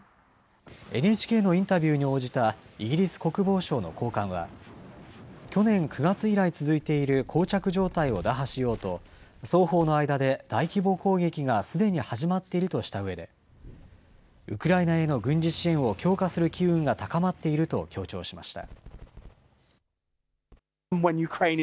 ＮＨＫのインタビューに応じたイギリス国防省の高官は、去年９月以来続いているこう着状態を打破しようと、双方の間で大規模攻撃がすでに始まっているとしたうえで、ウクライナへの軍事支援を強化する機運が高まっていると強調しました。